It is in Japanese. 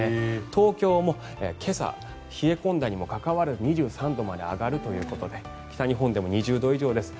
東京も今朝、冷え込んだにもかかわらず２３度まで上がるということで北日本でも２０度以上です。